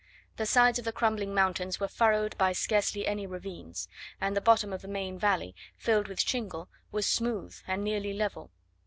The sides of the crumbling mountains were furrowed by scarcely any ravines; and the bottom of the main valley, filled with shingle, was smooth and nearly level.